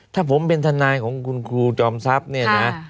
ถ้าผมเป็นทนายของคุณครูจอมทรัพย์เนี่ยนะ